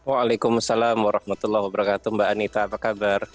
waalaikumsalam warahmatullahi wabarakatuh mbak anita apa kabar